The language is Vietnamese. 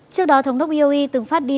trước đó thống đốc boe từng phát đi